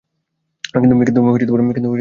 কিন্তু আমি এখানেই থাকি!